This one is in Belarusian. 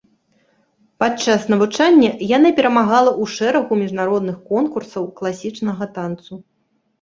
Падчас навучання яна перамагала ў шэрагу міжнародных конкурсаў класічнага танцу.